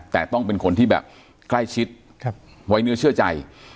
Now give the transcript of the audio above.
แต่ต้องเป็นคนที่แบบใกล้ชิดไว้เนื้อเชื่อใจ